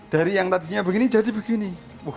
dari yang tadinya begini jadi begini